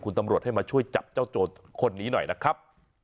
คุณตำรวจให้มาช่วยจับเจ้าโจรคนนี้หน่อยนะครับ